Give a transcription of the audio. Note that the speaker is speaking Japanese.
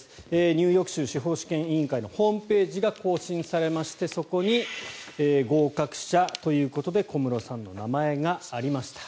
ニューヨーク州司法試験委員会のホームページが更新されましてそこに合格者ということで小室さんの名前がありました。